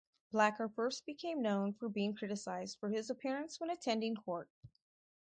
Blacker first became known for being criticised for his appearance when attending court.